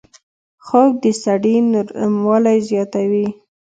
خوب د سړي نرموالی زیاتوي